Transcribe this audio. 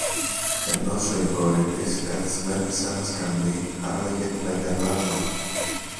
ενόσω η κόρη της, καθισμένη σ' ένα σκαμνί, άρμεγε την αγελάδα.